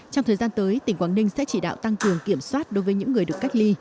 trong thời gian tới tỉnh quảng ninh sẽ chỉ đạo tăng cường kiểm soát đối với những người được cách ly